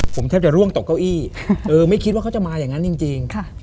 ผมแทบจะร่วงตกเก้าอี้เออไม่คิดว่าเขาจะมาอย่างนั้นจริง